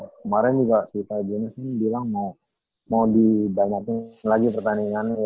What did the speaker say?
kemarin juga si fajunis bilang mau dibanyakin lagi pertandingannya